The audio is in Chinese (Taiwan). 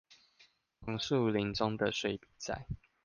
紅樹林中的水筆仔